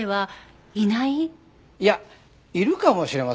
いやいるかもしれませんよ。